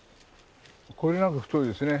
これなんか太いですね。